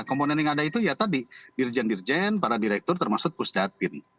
komponen yang ada itu ya tadi dirjen dirjen para direktur termasuk pusdatin